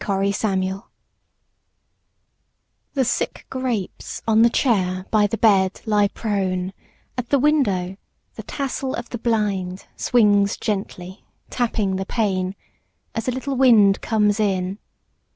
MALADE THE sick grapes on the chair by the bed lie prone; at the window The tassel of the blind swings gently, tapping the pane, As a little wind comes in.